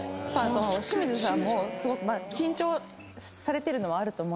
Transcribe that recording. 清水さんもすごく緊張されてるのあると思うんですけど。